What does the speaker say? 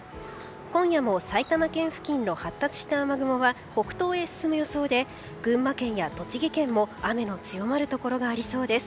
今夜も埼玉県付近の発達した雨雲は北東へ進む予想で群馬県や栃木県も雨の強まるところがありそうです。